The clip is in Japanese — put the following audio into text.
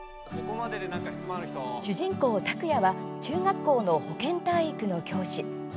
主人公、拓哉は中学校の保健体育の教師。